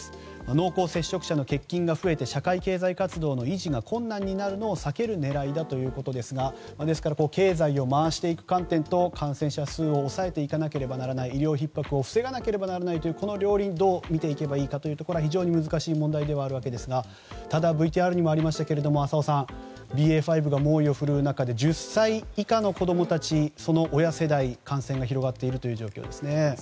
濃厚接触者の欠勤が増えて社会経済活動の維持が困難になるのを避ける狙いだということですがですから経済を回していく観点と感染者数を抑えないといけない医療ひっ迫を防がなければならないというこの両輪、どう見ていけばいいか非常に難しい問題ですがただＶＴＲにもありましたが浅尾さん、ＢＡ．５が猛威を振るう中で１０歳以下の子供たちその親世代に感染が広がっている状況ですね。